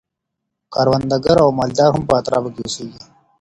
کروندګر او مالداران هم په اطرافو کي اوسیږي.